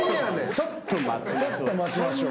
ちょっと待ちましょう。